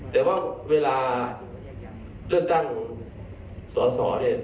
แต่ว่าเวลาเลือกตั้งสอสอเนี่ย